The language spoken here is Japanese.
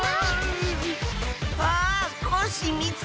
あっコッシーみつけた！